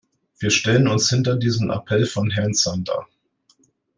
Wir stellen uns hinter diesen Appell von Herrn Santer.